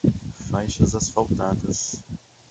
Faixas asfaltadas